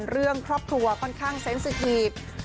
เรื่องครอบครัวค่อนข้างเซ็นสถีบ